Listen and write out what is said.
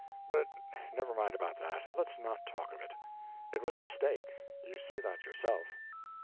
But never mind about that; let's not talk of it. It was a mistake; you see that yourself."